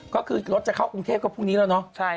ก็คือรถจะเข้ากรุงเทพก็พรุ่งนี้แล้วเนาะ